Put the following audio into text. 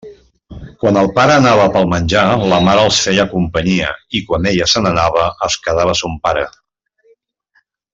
Quan el pare anava pel menjar, la mare els feia companyia, i quan ella se n'anava, es quedava son pare.